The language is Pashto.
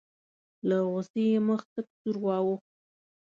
له غوسې یې مخ تک سور واوښت.